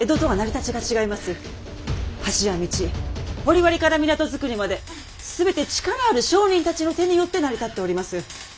橋や道掘割から港づくりまで全て力ある商人たちの手によって成り立っております。